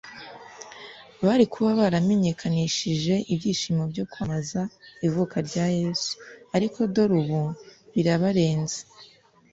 bari kuba baramenyekanishije ibyishimo byo kwamamaza ivuka rya Yesu. Ariko dore ubu birabarenze